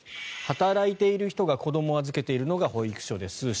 働いている人が子どもを預けているのが保育所です。